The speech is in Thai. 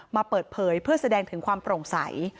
มาเปิดเผยเพื่อแสดงถึงความโปร่งใส